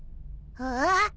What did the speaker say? ああ？